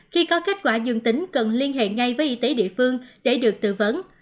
khi có kết quả dương tính cần liên hệ ngay với y tế địa phương để được tư vấn